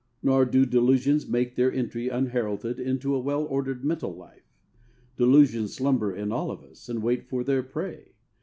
Nor do delusions make their entry unheralded into a well ordered mental life. Delusions slumber in all of us and wait for their prey.